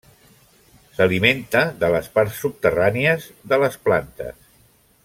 S'alimenta de les parts subterrànies de les plantes.